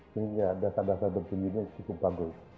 jadi ya dasar dasar bertinju ini cukup bagus